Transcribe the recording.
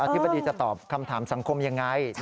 ธิบดีจะตอบคำถามสังคมยังไง